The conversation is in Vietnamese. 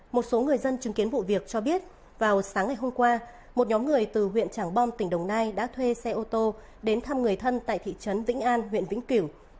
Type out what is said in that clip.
một số người dân chứng kiến vụ việc cho biết vào sáng ngày hôm qua một nhóm người từ huyện tràng bom tỉnh đồng nai đã thuê xe ô tô đến thăm người thân tại thị trấn vĩnh an huyện vĩnh kiểu